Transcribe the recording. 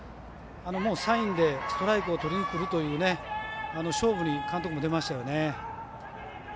サインでストライクを取りにくるという勝負に監督も出ましたよね。